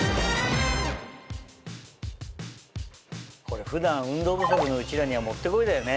これ普段運動不足のうちらにはもってこいだよね。